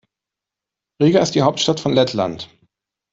Riga ist die Hauptstadt von Lettland.